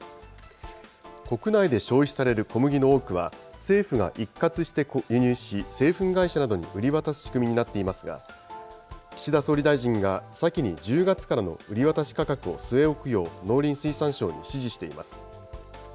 国内で消費される小麦の多くは、政府が一括して輸入し、製粉会社などに売り渡す仕組みになっていますが、岸田総理大臣が、先に１０月からの売り渡し価格を据え置くよう、農林水産省に指示しています。